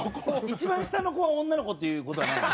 一番下の子は女の子っていう事はないの？